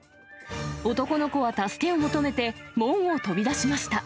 男の子は助けを求めて、門を飛び出しました。